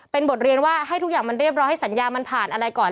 เป็นบทเรียนว่าให้ทุกอย่างมันเรียบร้อยให้สัญญามันผ่านอะไรก่อน